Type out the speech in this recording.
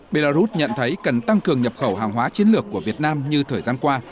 belarus nhận thấy cần tăng cường nhập khẩu hàng hóa chiến lược của việt nam như thời gian qua